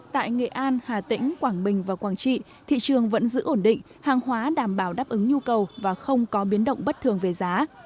tại nghệ an hà tĩnh quảng bình và quảng trị thị trường vẫn giữ ổn định hàng hóa đảm bảo đáp ứng nhu cầu và không có biến động bất thường về giá